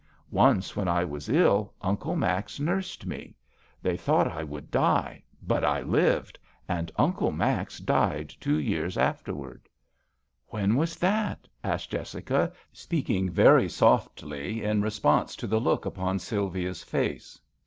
Once, when I was ill. Uncle Max nursed me. They thought I would die, but I lived ; and Uncle Max died two years afterwards." THB VIOLIN OBBLIOAXa 75 " When was that ?" asked Jessica, speaking very softly, in response to the look upon Sylvia's face.